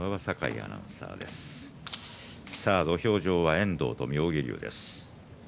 土俵上は遠藤と妙義龍です。